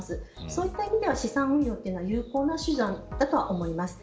そういった意味では資産運用は有効な手段だと思います。